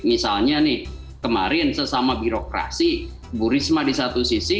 misalnya nih kemarin sesama birokrasi bu risma di satu sisi